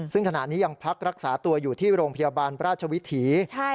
ซึ่งขณะนี้ยังพักรักษาตัวอยู่ที่โรงพยาบาลราชวิถี